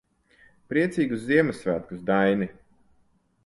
Priecīgus Ziemassvētkus, Daini.